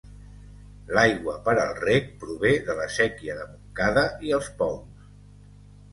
L'aigua per al reg prové de la séquia de Montcada i els pous.